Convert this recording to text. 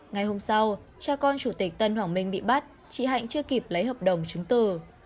ngày hôm sau cha con chủ tịch tân hoàng minh bị bắt chị hạnh chưa kịp lấy hợp đồng chứng từ